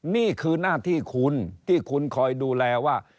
นี่คือหน้าที่คุณที่คุณคอยดูแลว่า